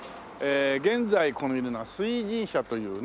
現在このいるのは水神社というね。